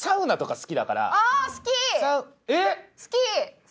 好き！